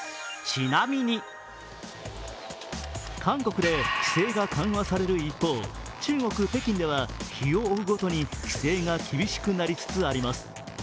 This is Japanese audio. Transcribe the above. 韓国で規制が緩和される一方中国・北京では日を追うごとに規制が厳しくなりつつあります。